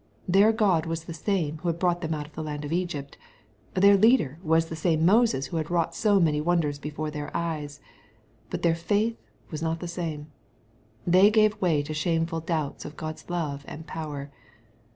Their God was the same who had brought them out of the land of Egypt. Their leader was that same Moses who had wrought so many wonders before their eyes. But their faith was not the same. They gave way to shameful doubts of God's love and power.